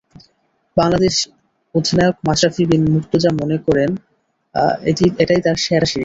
বাংলাদেশ অধিনায়ক মাশরাফি বিন মুর্তজা তাই মনে করেন, এটাই তাঁর সেরা সিরিজ।